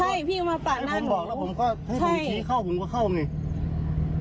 ให้ผมบอกแล้วผมก็ให้คุณขี้เข้าผมก็เข้ามานี่